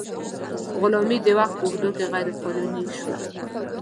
غلامي د وخت په اوږدو کې غیر قانوني شوه.